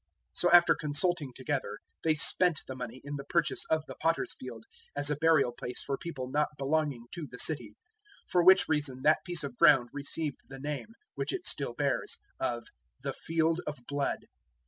027:007 So after consulting together they spent the money in the purchase of the Potter's Field as a burial place for people not belonging to the city; 027:008 for which reason that piece of ground received the name, which it still bears, of `the Field of Blood.'